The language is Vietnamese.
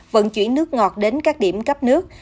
vận chuyển nước ngọt đến các điểm cấp nước